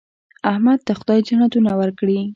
احمد ته خدای جنتونه ورکړي.